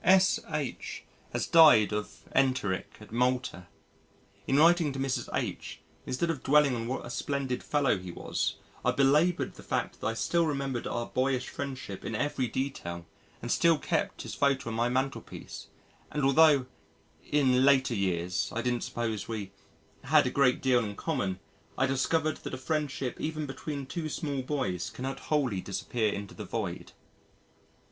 S.H. has died of enteric at Malta. In writing to Mrs. H., instead of dwelling on what a splendid fellow he was I belaboured the fact that I still remembered our boyish friendship in every detail and still kept his photo on my mantelpiece and altho' "in later years" I didn't suppose we "had a great deal in common I discovered that a friendship even between two small boys cannot wholly disappear into the void."